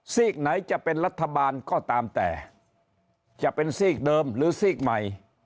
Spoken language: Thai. กไหนจะเป็นรัฐบาลก็ตามแต่จะเป็นซีกเดิมหรือซีกใหม่